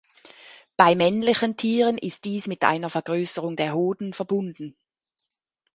Bei männlichen Tieren ist dies mit einer Vergrößerung der Hoden verbunden.